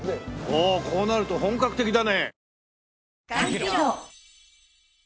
おおこうなると本格的だね。